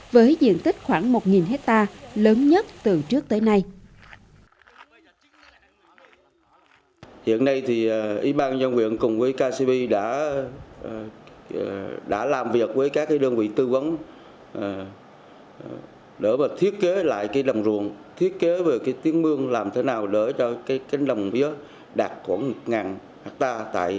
với diện tích khoảng một hectare lớn nhất từ trước tới nay